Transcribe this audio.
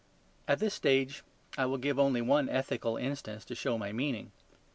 At this stage I give only one ethical instance to show my meaning.